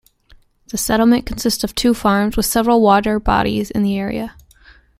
The settlement consists of two farms, with several water bodies in the area.